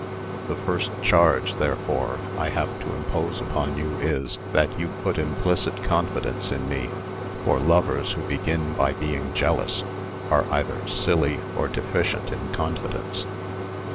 The first charge, therefore, I have to impose upon you is, that you put implicit confidence in me; for lovers who begin by being jealous, are either silly or deficient in confidence."